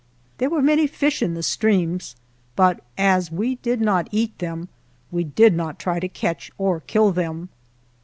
There were many fish in the streams, but as we did not eat them, we did not try to catch or kill them.